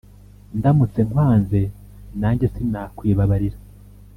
Ndamutse nkwanze nanjye sinakwibabarira,